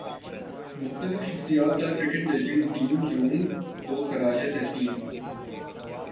مختلف شخصیات کا کرکٹ لیجنڈ ڈین جونز کو خراج تحسین